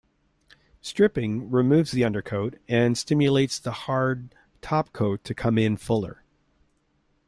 Stripping removes the undercoat and stimulates the hard top coat to come in fuller.